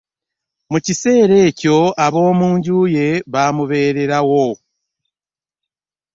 Mu kiseera ekyo, ab'omunju ye bamubererawo .